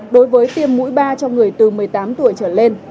đối với tiêm mũi ba cho người từ một mươi tám tuổi trở lên